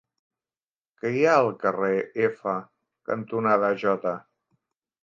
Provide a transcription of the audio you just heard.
Què hi ha al carrer F cantonada Jota?